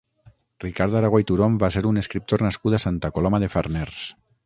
Ricard Aragó i Turón va ser un escriptor nascut a Santa Coloma de Farners.